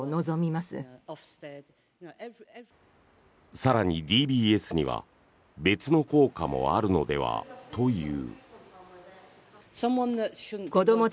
更にＤＢＳには別の効果もあるのではという。